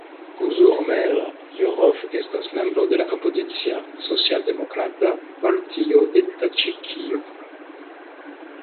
Buzurgmeĥr Jorov estas membro de la opozicia Socialdemokrata Partio de Taĝikio.